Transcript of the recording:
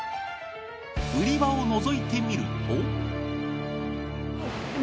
売り場をのぞいてみると。